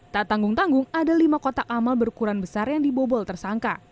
tak tanggung tanggung ada lima kotak amal berukuran besar yang dibobol tersangka